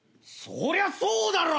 そりゃそうだろ。